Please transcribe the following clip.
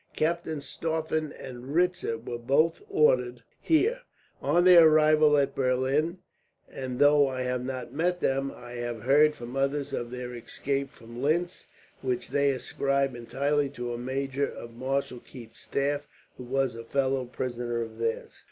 "Captains Stauffen and Ritzer were both ordered here, on their arrival at Berlin; and though I have not met them, I have heard from others of their escape from Linz, which they ascribed entirely to a major of Marshal Keith's staff, who was a fellow prisoner of theirs."